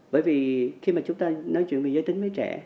bởi vì khi mà chúng ta nói chuyện về giới tính với trẻ